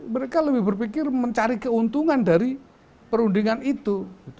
mereka lebih berpikir mencari keuntungan dari perundingan itu